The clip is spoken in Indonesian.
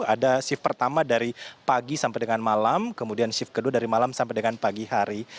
ada shift pertama dari pagi sampai dengan malam kemudian shift kedua dari malam sampai dengan pagi hari